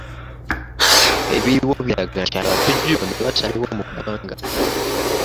Ebiriwo biraga nti abatujju bano bakyaliwo mu ggwanga.